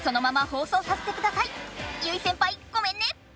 結実先輩ごめんね！